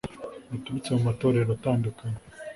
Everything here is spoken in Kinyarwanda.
baturutse mu matorero atandukanye.